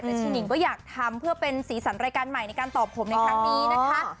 แต่ชีหนิงก็อยากทำเพื่อเป็นสีสันรายการใหม่ในการตอบผมในครั้งนี้นะคะ